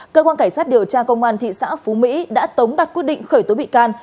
cơ quan cảnh sát điều tra công an thị xã phú mỹ đã tống đặt quyết định khởi tố bị can